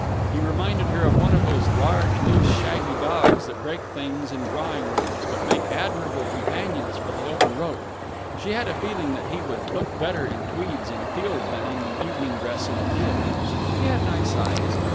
He reminded her of one of those large, loose, shaggy dogs that break things in drawing rooms but make admirable companions for the open road. She had a feeling that he would look better in tweeds in a field than in evening dress in a theatre. He had nice eyes.